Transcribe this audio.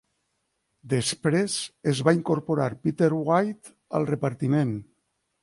Després es va incorporar Peter Wright al repartiment.